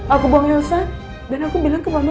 aku buang ilsa dan aku bilang ke mama